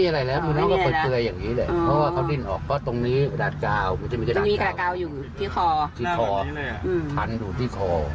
แล้วพาก็มานี่